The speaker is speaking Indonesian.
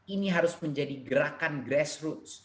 ini harus menjadi gerakan grassroots